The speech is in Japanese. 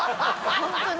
本当に。